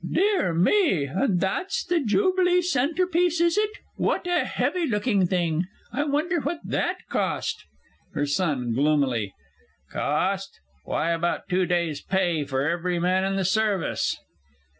Dear me, and that's the Jubilee centrepiece, is it? What a heavy looking thing. I wonder what that cost? HER SON (gloomily). Cost? Why, about two days' pay for every man in the Service!